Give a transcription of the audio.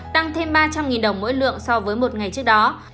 tăng thêm ba trăm linh đồng mỗi lượng so với một ngày trước đó